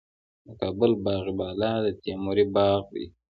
د کابل باغ بالا د تیموري باغ دی